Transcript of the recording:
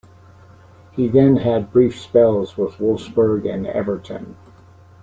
He then had brief spells with Wolfsburg and Everton.